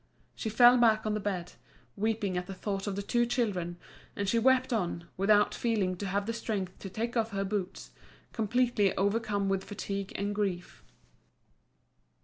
She fell back on the bed, weeping at the thought of the two children, and she wept on, without feeling to have the strength to take off her boots, completely overcome with fatigue and grief.